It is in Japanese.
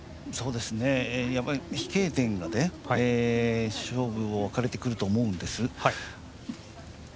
やっぱり飛型点が勝負、分かれてくると思うんです。